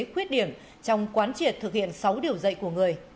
khuyết điểm trong quán triệt thực hiện sáu điều dạy của người